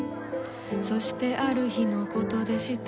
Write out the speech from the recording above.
そしてある日のことでした。